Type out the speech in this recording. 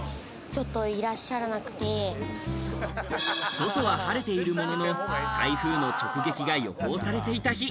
外は晴れているものの、台風の直撃が予報されていた日。